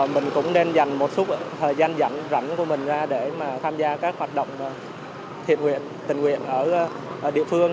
mình cũng nên dành một số thời gian rảnh của mình ra để tham gia các hoạt động tình nguyện ở địa phương